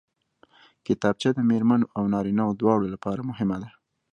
کتابچه د مېرمنو او نارینوو دواړو لپاره مهمه ده